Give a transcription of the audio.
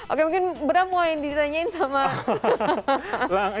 oke mungkin benar mau ditanyain sama